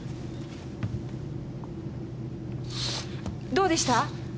どうでした？